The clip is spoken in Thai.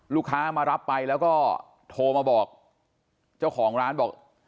ลูกค้ามารับไปแล้วก็โทรมาบอกเจ้าของร้านบอก